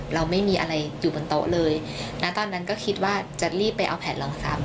เราไม่มีอะไรอยู่บนโต๊ะเลยณตอนนั้นก็คิดว่าจะรีบไปเอาแผนลองซ้ำ